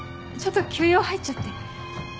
ちょっと急用入っちゃって。